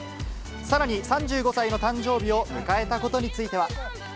さらに、３５歳の誕生日を迎えたことについては。